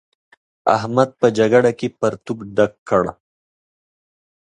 احمد په جګړه کې پرتوګ ډک کړ.